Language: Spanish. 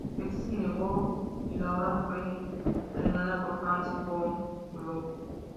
Este se negó, y la obra fue estrenada por Hans von Bülow.